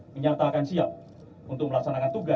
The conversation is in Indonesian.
menyatakan siap untuk melaksanakan tugas